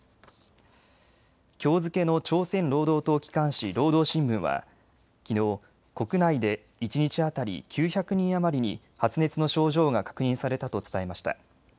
きょう付けの朝鮮労働党機関紙、労働新聞はきのう国内で一日当たり９００人余りに発熱の症状が確認されたと伝えました。